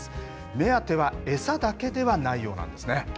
目当ては餌だけではないようなんですね。